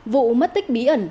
vụ mất tích bí ẩn